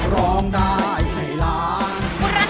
ร้องได้ให้ล้าน